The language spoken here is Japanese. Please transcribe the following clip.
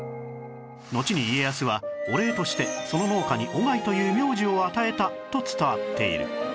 のちに家康はお礼としてその農家に「小粥」という名字を与えたと伝わっている